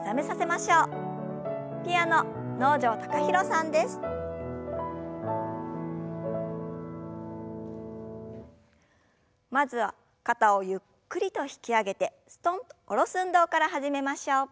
まずは肩をゆっくりと引き上げてすとんと下ろす運動から始めましょう。